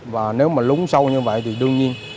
và nếu mà lúng sâu như vậy thì đương nhiên